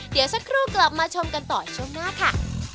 เดี๋ยวสักครู่กลับมาชมกันต่อช่วงหน้าค่ะ